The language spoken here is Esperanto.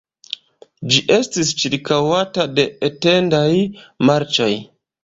Ĝi estis ĉirkaŭata de etendaj marĉoj.